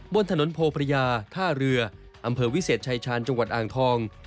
บนถนนโพพระยาท่าเรืออำเภอวิเศษชายชาญจังหวัดอ่างทอง